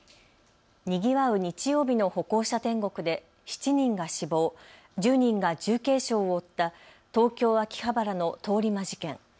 にぎわう日曜日の歩行者天国で７人が死亡、１０人が重軽傷を負った東京秋葉原の通り魔事件。